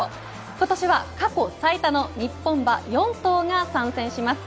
今年は過去最多の日本馬４頭が参戦します。